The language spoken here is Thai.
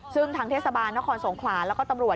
ซึ่งทางเทศบาลนครสงขลาแล้วก็ตำรวจ